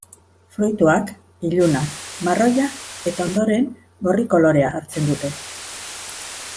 Fruituak ilunak, marroia eta ondoren gorri kolorea hartzen dute.